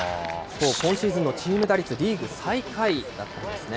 今シーズンのチーム打率、リーグ最下位だったんですね。